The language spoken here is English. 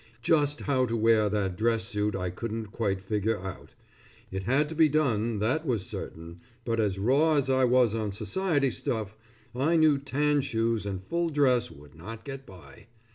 Just how to wear that dress suit I couldn't quite figure out. It had to be done, that was certain, but as raw as I was on society stuff, I knew tan shoes and full dress would not get by.